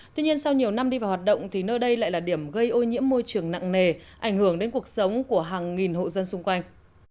tuy nhiên sau nhiều năm đi vào hoạt động thì nơi đây lại là điểm gây ô nhiễm môi trường nặng nề ảnh hưởng đến cuộc sống của hàng nghìn hộ dân xung quanh